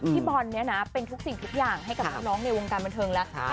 พี่บอลเนี่ยนะเป็นทุกสิ่งทุกอย่างให้กับน้องในวงการบันเทิงแล้ว